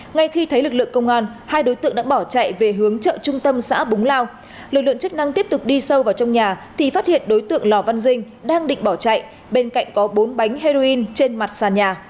ngay khi thấy lực lượng công an hai đối tượng đã bỏ chạy về hướng chợ trung tâm xã búng lao lực lượng chức năng tiếp tục đi sâu vào trong nhà thì phát hiện đối tượng lò văn dinh đang định bỏ chạy bên cạnh có bốn bánh heroin trên mặt sàn nhà